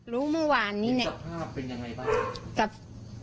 รู้เมื่อวานนี้เนี่ยสภาพเป็นยังไงบ้างกับ